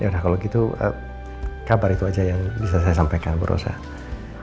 nah kalau gitu kabar itu aja yang bisa saya sampaikan berusaha